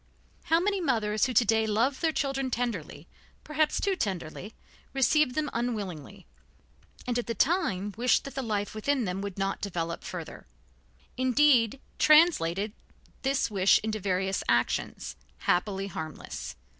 How many mothers who to day love their children tenderly, perhaps too tenderly, received them unwillingly, and at the time wished that the life within them would not develop further; indeed, translated this wish into various actions, happily harmless.